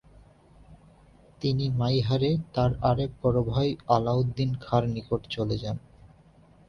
তিনি মাইহারে তার আরেক বড় ভাই আলাউদ্দিন খাঁর নিকট চলে যান।